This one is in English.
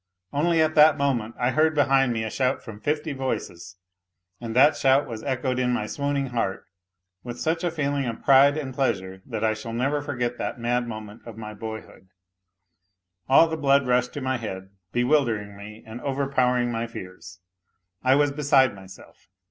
Only at that moment I heard behind me a shout from fifty voices, and that shout was echoed in my swooning heart with such a feeling of pride and pleasure that I shall never forget that mad moment of my boyhood. All the blood rushed to my head, bewildering me and overpowering my fears. I was beside myself.